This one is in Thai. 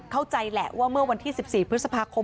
เข้าใจแหละว่าเมื่อวันที่๑๔พฤษภาคม